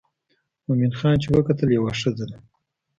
مومن خان چې وکتل یوه ښځه ده.